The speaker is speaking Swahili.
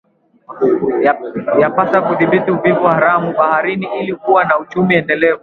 Yapasa kudhibiti uvuvi haramu baharini ili kuwa na uchumi endelevu